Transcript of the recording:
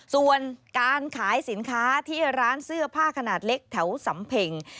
ส่วนการขายสินค้าที่ร้านเสื้อผ้าขนาดเล็กแถวสำเพ็ง